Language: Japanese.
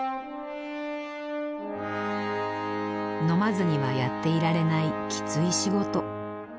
飲まずにはやっていられないきつい仕事。